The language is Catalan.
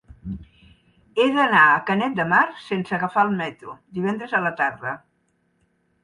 He d'anar a Canet de Mar sense agafar el metro divendres a la tarda.